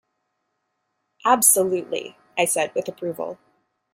"Absolutely," I said with approval.